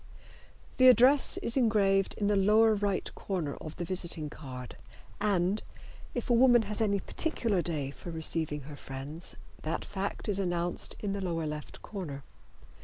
The address is engraved in the lower right corner of the visiting card, and, if a woman has any particular day for receiving her friends, that fact is announced in the lower left corner.